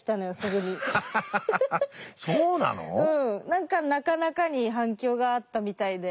何かなかなかに反響があったみたいで。